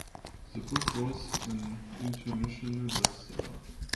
The book was an international bestseller.